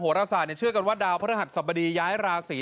โหราศาตร์เนี่ยเชื่อกันว่าดาวพระธธศบดีย้ายราศี